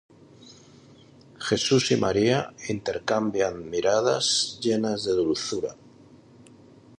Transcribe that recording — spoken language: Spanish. Jesús y María intercambian miradas llenas de dulzura.